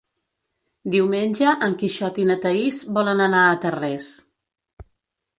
Diumenge en Quixot i na Thaís volen anar a Tarrés.